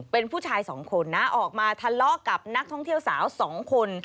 เป็นผู้ชายสองคนนะออกมาทะเลาะกับนักท่องเที่ยวสาว๒คน